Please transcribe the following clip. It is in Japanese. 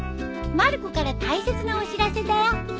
まる子から大切なお知らせだよ。